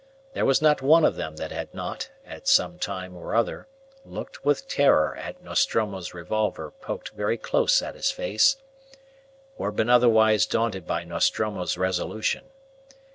There was not one of them that had not, at some time or other, looked with terror at Nostromo's revolver poked very close at his face, or been otherwise daunted by Nostromo's resolution.